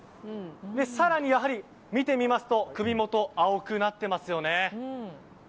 更に、見てみますと首元青くなっていますよね。